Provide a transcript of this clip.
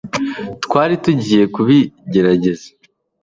twari tugiye kubigerageza